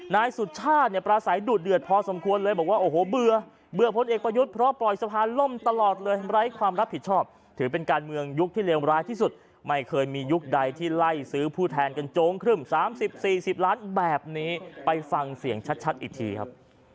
นายสุชาติเนี่ยปราศัยดูดเดือดพอสมควรเลยบอกว่าโอ้โหเบื่อเบื่อพลเอกประยุทธ์เพราะปล่อยสะพานล่มตลอดเลยไร้ความรับผิดชอบถือเป็นการเมืองยุคที่เลวร้ายที่สุดไม่เคยมียุคใดที่ไล่ซื้อผู้แทนกันโจ๊งครึ่ม๓๐๔๐ล้านแบบนี้ไปฟังเสียงชัดอีกทีครับ